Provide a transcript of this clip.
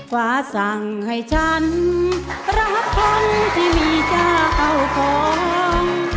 ฟ้าสั่งให้ฉันรักคนที่มีเจ้าเข้าของ